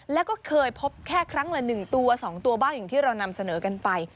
แล้วก็เคยพบแค่ครั้งละ๑ตัว๒ตัวบ้างอย่างที่เรานำเสนอกันไป